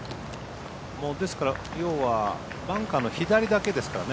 ですから要はバンカーの左だけですからね。